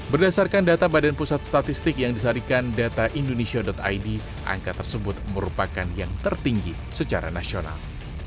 berdasarkan data badan pusat statistik yang disarikan data indonesia id angka tersebut merupakan yang tertinggi secara nasional